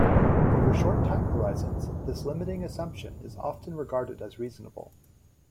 Over short time horizons, this limiting assumption is often regarded as reasonable.